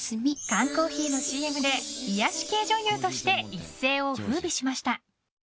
缶コーヒーのＣＭで癒やし系女優として一世を風靡しました。